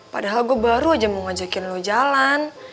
padahal gue baru aja mau ngajakin lo jalan